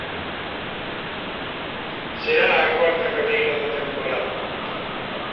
Será a cuarta carreira da temporada.